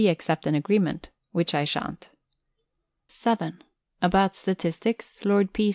accept an agreement, which I shan't). (7) About Statistics, Lord P.